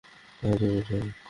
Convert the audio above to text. আর, তুই বেশ্যা মাগী!